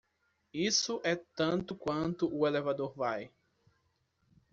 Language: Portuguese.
Isso é tanto quanto o elevador vai.